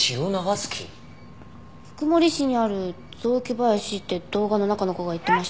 福森市にある雑木林って動画の中の子が言ってました。